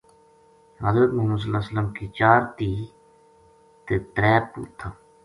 حضرت محمد ﷺ کی چار تہیں تے ترے پوت تھا۔